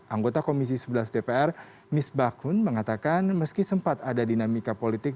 anggota komisi sebelas dpr mis bakun mengatakan meski sempat ada dinamika politik